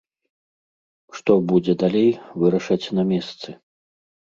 Што будзе далей, вырашаць на месцы.